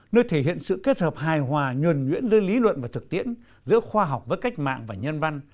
nơi thể hiện sự kết hợp hài hòa nhuẩn nhuyễn giữa lý luận và thực tiễn giữa khoa học với cách mạng và nhân văn